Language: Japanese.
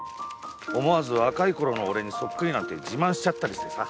思わず若い頃の俺にそっくりなんて自慢しちゃったりしてさ。